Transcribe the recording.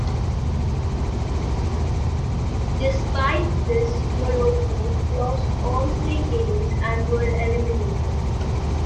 Despite this, Morocco lost all three games and were eliminated.